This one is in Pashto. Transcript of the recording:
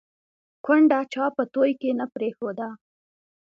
ـ کونډه چا په توى کې نه پرېښوده